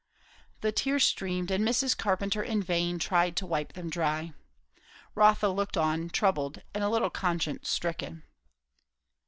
The tears streamed, and Mrs. Carpenter in vain tried to wipe them dry. Rotha looked on, troubled, and a little conscience stricken.